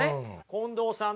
近藤さん